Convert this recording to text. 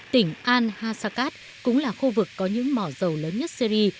tỉnh an hasakat cũng là khu vực có những mỏ dầu lớn nhất syri